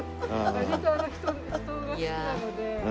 割とあの人人が好きなので。